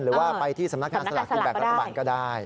หรือว่าไปที่สำนักงานสลากกินแบ่งรัฐบาลก็ได้